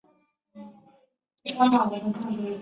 他的政策被视为高度亲英。